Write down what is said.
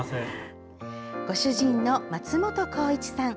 ご主人の松本康一さん。